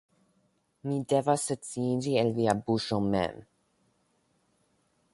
Mi devas sciiĝi el via buŝo mem.